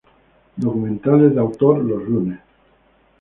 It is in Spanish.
Documentales de autor los lunes.